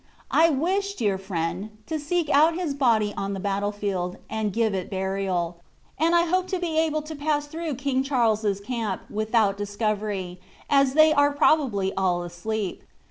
I wish, dear friend, to seek out his body on the battlefield, and give it burial, and I hope to be able to pass through King Charles's camp without discovery, as they are probably all asleep.